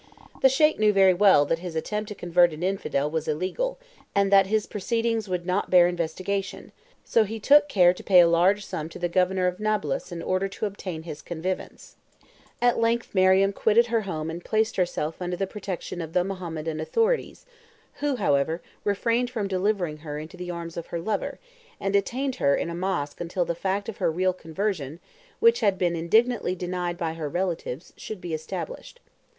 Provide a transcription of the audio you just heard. The Sheik knew very well that his attempt to convert an infidel was illegal, and that his proceedings would not bear investigation, so he took care to pay a large sum to the Governor of Nablus in order to obtain his connivance. At length Mariam quitted her home and placed herself under the protection of the Mahometan authorities, who, however, refrained from delivering her into the arms of her lover, and detained her in a mosque until the fact of her real conversion (which had been indignantly denied by her relatives) should be established.